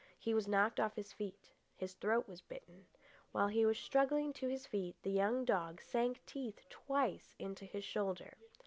He was knocked off his feet. His throat was bitten. While he was struggling to his feet the young dog sank teeth twice into his shoulder.